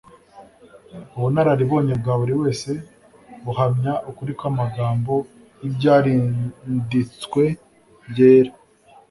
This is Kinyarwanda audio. Ubunararibonye bwa buri wese, buhamya ukuri kw'amagambo y'Ibyariditswe byera